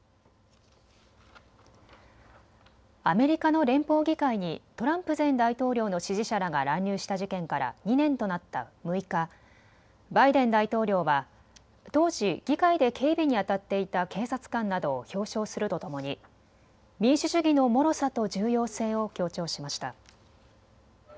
アメリカの連邦議会にトランプ前大統領の支持者らが乱入した事件から２年となった６日、バイデン大統領は当時、議会で警備にあたっていた警察官などを表彰するとともに民主主義のもろさと重要性を強調しました。